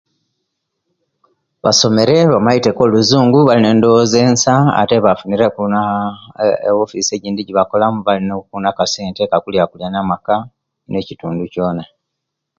Basomere bamaiteku oluzungu balina endowoza ensa ate bafunire naaa ewofisi ejindi ejibakola balina akasente akakulakulanya amaka nekitundu kiyona